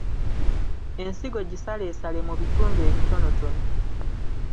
Ensigo gisaleesalemu bitundu ebitonotono.